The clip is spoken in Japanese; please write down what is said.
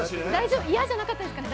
嫌じゃなかったですかね。